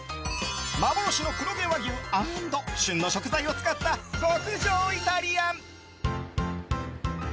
幻の黒毛和牛＆旬の食材を使った極上イタリアン。